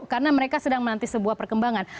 karena mereka sedang menanti sebuah perkembangan